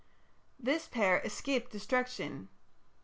This pair escaped destruction.